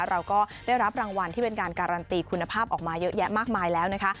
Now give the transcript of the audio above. เราก็ได้รับรางวัลที่เป็นการการันตีคุณภาพออกมาเยอะแยะมากมายแล้วนะคะ